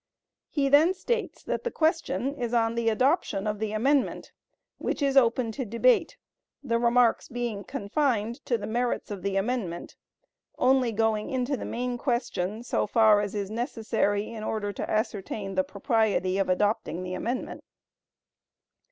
He then states that the question is on the adoption of the amendment, which is open to debate, the remarks being confined to the merits of the amendment, only going into the main question so far as is necessary in order to ascertain the propriety of adopting the amendment.